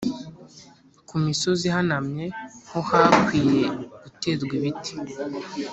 Ku misozi ihanamye ho hakwiye guterwa ibiti